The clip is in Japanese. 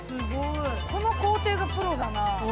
この工程がプロだな。